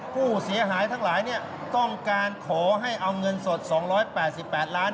ผู้เสียหายทั้งหลายต้องการขอให้เอาเงินสด๒๘๘ล้าน